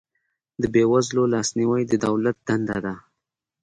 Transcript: د بې وزلو لاسنیوی د دولت دنده ده